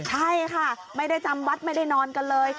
ใช่ค่ะไม่ได้จำวัดไม่ได้นอนกันเลย